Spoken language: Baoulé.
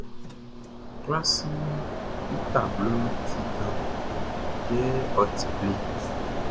Klasiʼn i tabloʼn ti dan yɛ ɔ ti ble.